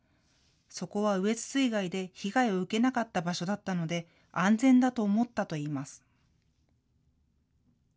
そこは羽越水害で被害を受けなかった場所だったので安全だと思ったといいます。